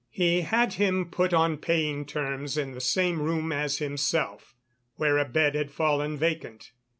He had him put on paying terms in the same room as himself, where a bed had fallen vacant.